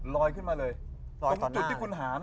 ลอยขึ้นมาเลยตรงจุดที่คุณหา